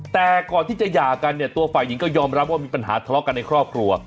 แต่ก่อนที่จะหย่ากันเนี่ยตัวฝ่ายหญิงก็ยอมรับว่ามีปัญหาทะเลาะกันในครอบครัว